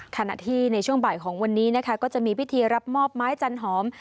ขณะที่ในช่วงบ่ายของวันนี้นะคะก็จะมีพิธีรับมอบไม้จันหอม